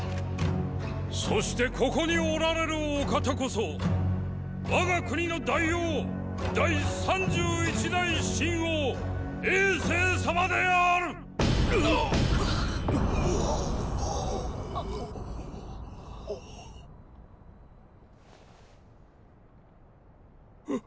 そしてここにおられるお方こそっ我が国の大王第三十一代秦王政様である！！！！ッ！